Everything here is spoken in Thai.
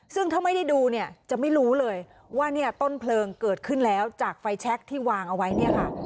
ซึ่งถ้าไม่ได้ดูเนี่ยจะไม่รู้เลยว่าเนี่ยต้นเพลิงเกิดขึ้นแล้วจากไฟแชคที่วางเอาไว้เนี่ยค่ะ